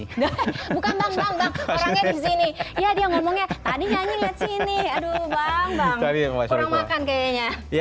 bukan bang bang bang orangnya disini ya dia ngomongnya tadi nyanyi liat sini aduh bang bang kurang makan kayaknya